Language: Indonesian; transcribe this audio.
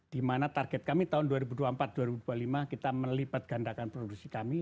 dimana target kami tahun dua ribu dua puluh empat dua ribu dua puluh lima kita melipat gandakan produksi kami